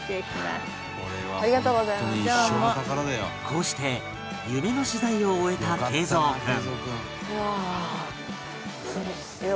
こうして夢の取材を終えた桂三君